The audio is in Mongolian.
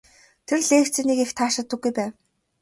Тэр лекцийг нэг их таашаадаггүй байв.